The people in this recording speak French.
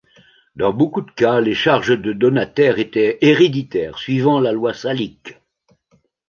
Dans beaucoup de cas les charges de donataire étaient héréditaires suivant la loi salique.